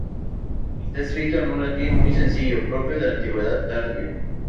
Está escrito en un latín muy sencillo propio de la antigüedad tardía.